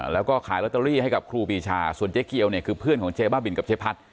แล้วก็ขายลอตเตอรี่ให้กับครูปีชาส่วนเจ๊เกียวเนี่ยคือเพื่อนของเจ๊บ้าบินกับเจ๊พัด